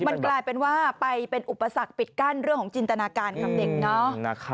มันกลายเป็นว่าไปเป็นอุปสรรคปิดกั้นเรื่องของจินตนาการกับเด็กเนาะ